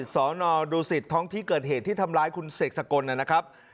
สอนอดูสิตท้องที่เกิดเหตุที่ทำร้ายคุณเสกสกลนะครับ